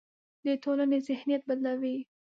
د ټولنې ذهنیت بدلوي.